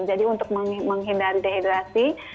jadi untuk menghindari dehidrasi